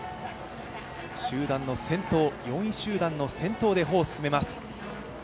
集団の先頭、４位集団の先頭で歩を進めます。